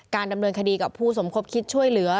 ดำเนินคดีกับผู้สมคบคิดช่วยเหลือ